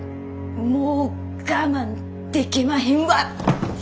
もう我慢でけまへんわ！